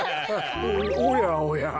おやおや。